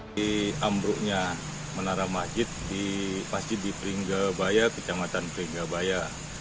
di ambruknya menara masjid di pringgabaya kecamatan pringgabaya